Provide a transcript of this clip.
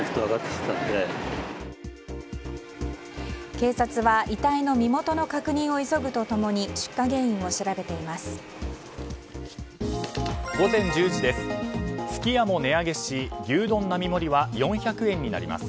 警察は遺体の身元の確認を急ぐと共に出火原因を調べています。